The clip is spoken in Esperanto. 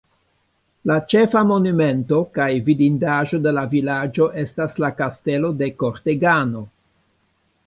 La ĉefa monumento kaj vidindaĵo de la vilaĝo estas la Kastelo de Kortegano.